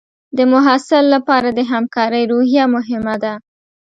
د محصل لپاره د همکارۍ روحیه مهمه ده.